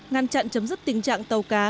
ngăn chặn chấm dứt tình trạng tàu cá